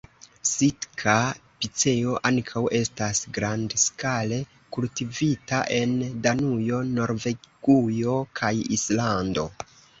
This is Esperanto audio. Sitka-piceo ankaŭ estas grandskale kultivita en Danujo, Norvegujo kaj Islando.